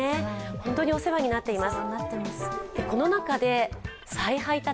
ホントにお世話になってます。